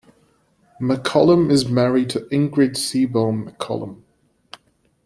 McCollum is married to Ingrid Seebohm McCollum.